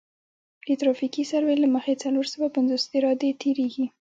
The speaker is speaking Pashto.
د ترافیکي سروې له مخې څلور سوه پنځوس عرادې تیریږي